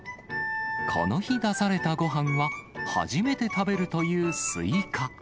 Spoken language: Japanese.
この日出されたごはんは、初めて食べるというスイカ。